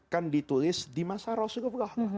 kan ditulis di masa rasulullah